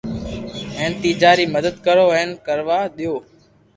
ھين شيجا ري مدد ڪرو ھين ڪروا ديئو